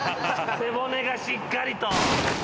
背骨がしっかりと。